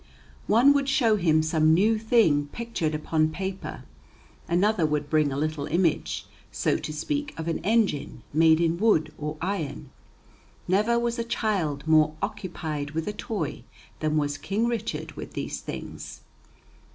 One would show him some new thing pictured upon paper; another would bring a little image, so to speak, of an engine, made in wood or iron. Never was a child more occupied with a toy than was King Richard with these things.